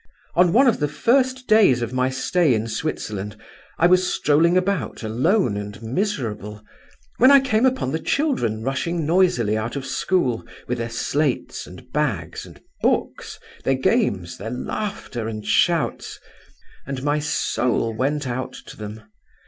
On one of the first days of my stay in Switzerland, I was strolling about alone and miserable, when I came upon the children rushing noisily out of school, with their slates and bags, and books, their games, their laughter and shouts—and my soul went out to them.